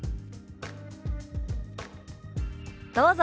どうぞ。